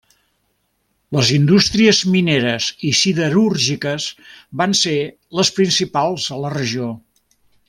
Les indústries mineres i siderúrgiques van ser les principals a la regió.